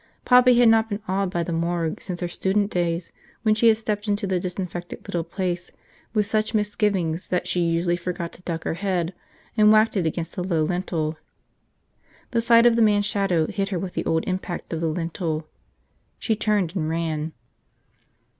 Poppy had not been awed by the morgue since her student days when she had stepped into the disinfected little place with such misgivings that she usually forgot to duck her head, and whacked it against the low lintel. The sight of the man's shadow hit her with the old impact of the lintel. She turned and ran.